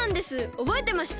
おぼえてました？